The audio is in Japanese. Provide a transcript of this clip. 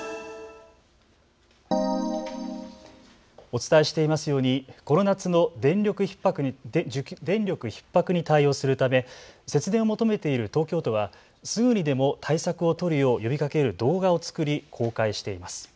お伝えしていますようにこの夏の電力ひっ迫に対応するため節電を求めている東京都はすぐにでも対策を取るよう呼びかける動画を作り公開しています。